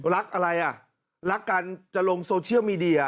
รักอะไรอ่ะรักกันจะลงโซเชียลมีเดีย